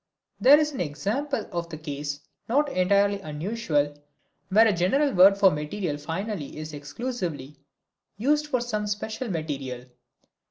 This is an example of the case, not entirely unusual, where a general word for material finally is exclusively used for some special material.